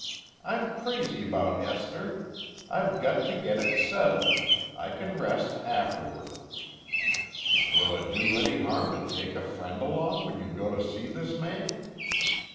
I'm crazy about Esther. I've got to get it settled. I can rest afterward." "Will it do any harm to take a friend along when you go to see this man?"